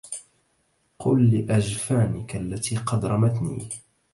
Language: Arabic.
قل لأجفانك التي قد رمتني